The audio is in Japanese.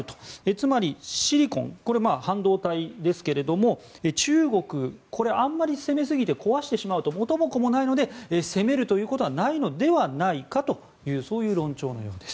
つまりシリコン、半導体ですけれども中国、あまり攻めすぎて壊してしまうと元も子もないので攻めるということはないのではないかというそういう論調のようです。